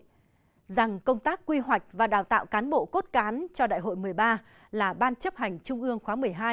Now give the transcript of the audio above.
tuy nhiên công tác quy hoạch và đào tạo cán bộ cốt cán cho đại hội một mươi ba là ban chấp hành trung ương khóa một mươi hai